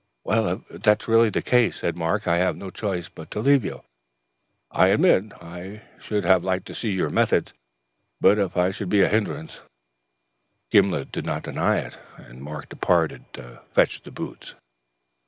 "If that is really the case," said Mark, "I have no choice but to leave you. I admit I should have liked to see your methods, but if I should be a hindrance " Gimblet did not deny it, and Mark departed to fetch the boots.